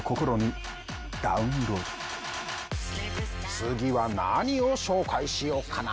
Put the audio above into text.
次は何を紹介しようかな？